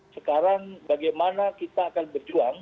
sekarang bagaimana kita akan berjuang